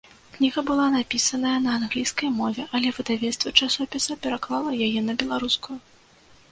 Кніга была напісаная на англійскай мове, але выдавецтва часопіса пераклала яе на беларускую.